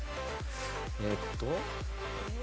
えっと。